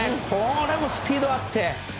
これもスピードがあって。